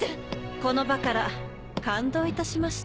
このバカラ感動いたしました。